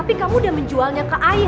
ibu sedang sakit